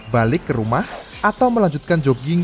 balik ke rumah atau melanjutkan jogging